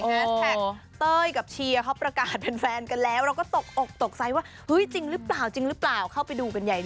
แฮสแทคเต้ยกับเชียเขาประกาศเป็นแฟนกันแล้วเราก็ตกออกตกใจว่าจริงไม่เปล่าเข้าไปดูกันใหญ่เลย